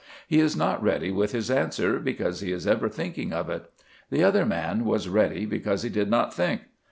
He is not ready with his answer because he is ever thinking of it. The other man was ready because he did not think.